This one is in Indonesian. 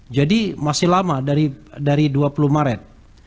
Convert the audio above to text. jadi masih lama dari dua puluh maret